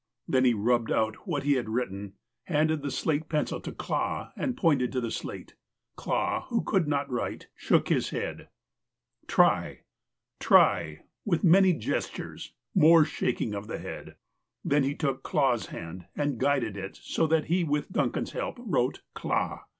Then he rubbed out what he had written, handed the slate pencil to Clah, and pointed to the slate. Clah, who could not write, shook his head. " Try ! try !" with many gestures. More shaking of the head. Then he took Clah's hand and guided it, so that he, with Duncan's help, wrote " Clah."